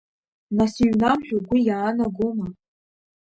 Нас иҩнам ҳәа угәы иаанагома?